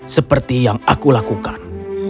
seperti yang aku lakukan